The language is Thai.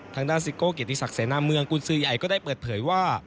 ทางด้านซิโก้เกียรติศักดิเสนาเมืองกุญสือใหญ่ก็ได้เปิดเผยว่า